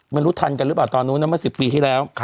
ไม่รู้ทันกันหรือเปล่าตอนนู้นนะเมื่อ๑๐ปีที่แล้ว